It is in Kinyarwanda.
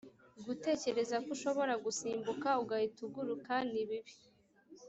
gutekereza ko ushobora gusimbuka ugahita uguruka nibibi